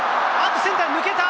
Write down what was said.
センターへ抜けた！